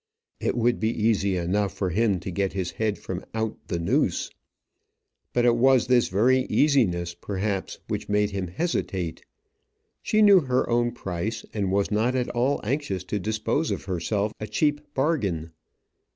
It would be easy enough for him to get his head from out the noose. But it was this very easiness, perhaps, which made him hesitate. She knew her own price, and was not at all anxious to dispose of herself a cheap bargain.